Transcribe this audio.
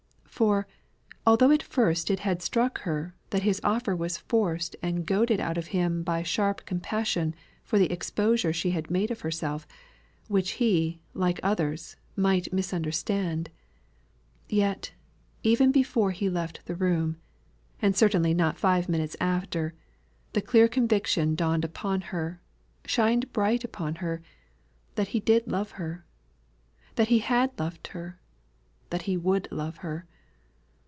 For, although at first it had struck her, that his offer was forced and goaded out of him by sharp compassion for the exposure she had made of herself, which he, like others, might misunderstand yet, even before he left the room, and certainly not five minutes after, the clear conviction dawned upon her, shined bright upon her, that he did love her; that he had loved her; that he would love her.